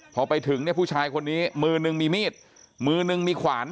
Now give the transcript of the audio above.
พอไปถึงเนี่ยผู้ชายคนนี้มือนึงมีมีดมือนึงมีขวาน